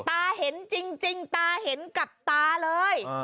ตาเห็นจริงตาเห็นกับตาเลย